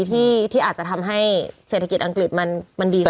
ที่อาจจะทำให้เศรษฐกิจอังกฤษมันดีกว่า